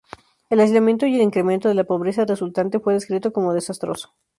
El aislamiento y el incremento de la pobreza resultante, fue descrito como "desastroso".